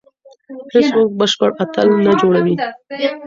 هیڅوک بشپړ اتل نه جوړوي.